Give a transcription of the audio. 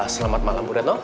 selamat malam bu retno